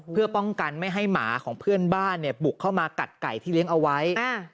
เพื่อป้องกันไม่ให้หมาของเพื่อนบ้านเนี่ยบุกเข้ามากัดไก่ที่เลี้ยงเอาไว้